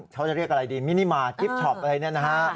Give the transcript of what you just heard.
เขาจะเรียกอะไรดีมินิมากิฟช็อปอะไรเนี่ยนะฮะ